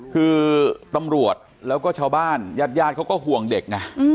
คือตำรวจแล้วก็ชาวบ้านญาติญาติเขาก็ห่วงเด็กไง